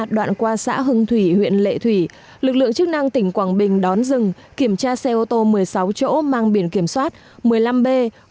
đoạn qua xã hưng thủy huyện lệ thủy lực lượng chức năng tỉnh quảng bình đón dừng kiểm tra xe ô tô một mươi sáu chỗ mang biển kiểm soát một mươi năm b tám trăm năm mươi sáu